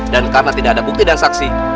dan karena tidak ada bukti dan saksi